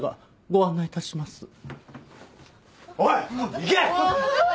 行け！